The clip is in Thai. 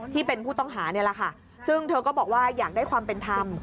ที่เป็นผู้ต้องหานี่แหละค่ะซึ่งเธอก็บอกว่าอยากได้ความเป็นธรรม